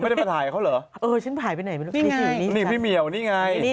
อ๋อไม่ได้ไปถ่ายเขาเหรอนี่ไงนี่พี่เมียวนี่ไง